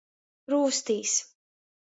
Rūstīs.